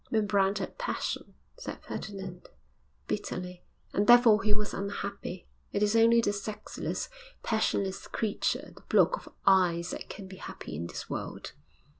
'Rembrandt had passion,' said Ferdinand, bitterly, 'and therefore he was unhappy. It is only the sexless, passionless creature, the block of ice, that can be happy in this world.'